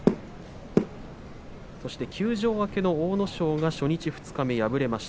そして休場明けの阿武咲が初日、二日目と敗れています。